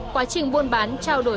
xay thì thêm phố ở đấy